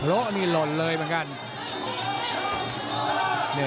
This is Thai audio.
ละนี่หล่นเลยเหมือนกัน